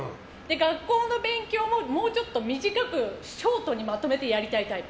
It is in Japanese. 学校の勉強ももうちょっと短くショートにまとめてやりたいタイプ。